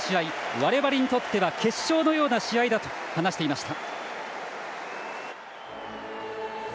我々にとっては決勝のような試合だと話していました。